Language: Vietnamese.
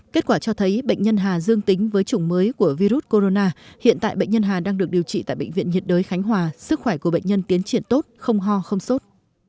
kết quả cho thấy bệnh nhân hà dương tính với chủng mới của virus corona hiện tại bệnh nhân hà đang được điều trị tại bệnh viện nhiệt đới khánh hòa sức khỏe của bệnh nhân tiến triển tốt không ho không sốt